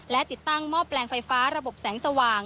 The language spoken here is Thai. และติดตั้งหม้อแปลงไฟฟ้าระบบแสงสว่าง